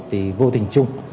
thì vô tình chung